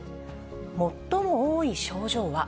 最も多い症状は。